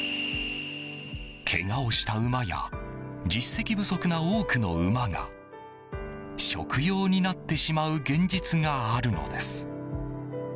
けがをした馬や実績不足な多くの馬が食用になってしまう現実があるのです。